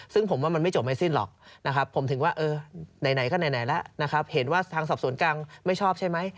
ซึ่งผมว่ามันไม่จบไม่สิ้นหรอกนะครับผมถึงว่าเออไหนก็ไหนแล้วนะครับเห็นว่าทางสอบสวนกลางไม่ชอบใช่ไหม